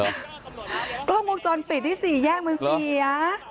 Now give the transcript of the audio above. กล้องวงจรปิดที่สี่แยกมันเสีย